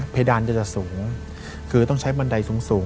เพดานจะสูงคือต้องใช้บันไดสูง